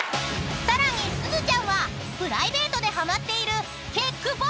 ［さらにすずちゃんはプライベートでハマっている］